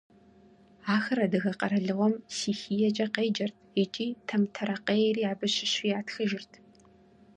Ахэр адыгэ къэралыгъуэм Сихиекӏэ къеджэрт икӏи Тэмтэрэкъейри абы щыщу ятхыжырт.